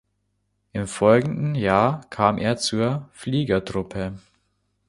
Im folgenden Jahr kam er zur Fliegertruppe.